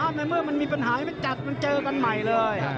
อ้าวไม่เมื่อมันมีปัญหาไม่จัดมันเจอกันใหม่เลย